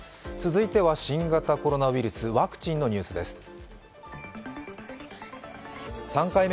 続いては新型コロナウイルスワクチンのニュースです。